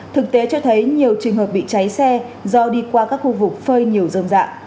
trường hợp bị cháy xe do đi qua các khu vực phơi nhiều dơm dạ